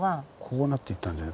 こうなっていったんじゃ。